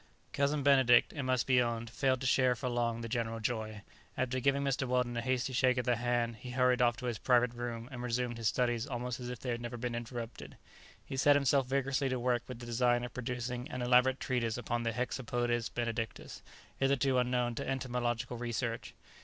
Cousin Benedict, it must be owned, failed to share for long the general joy. After giving Mr. Weldon a hasty shake of the hand, he hurried off to his private room, and resumed his studies almost as if they had never been interrupted. He set himself vigorously to work with the design of producing an elaborate treatise upon the "Hexapodes Benedictus" hitherto unknown to entomological research.